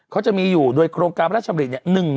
เขาจะมีอยู่โดยโครงกรรมรัชสมริต๑๑๙๗